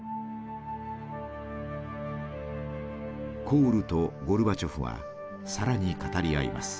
コールとゴルバチョフは更に語り合います。